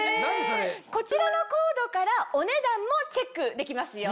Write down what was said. こちらのコードからお値段もチェックできますよ。